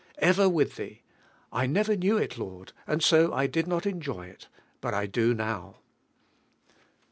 " Ever with Thee ; I never knew it, Lord, and si. I did not enjoy it, hilt I do DOW."